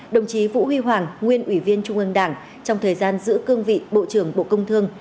đồng chí vũ huy hoàng nguyên ủy viên trung ương đảng trong thời gian giữ cương vị bộ trưởng bộ công thương